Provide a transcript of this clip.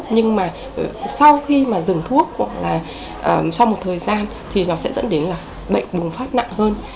nhưng mà sau khi mà dừng thuốc hoặc là sau một thời gian thì nó sẽ dẫn đến là bệnh bùng phát nặng hơn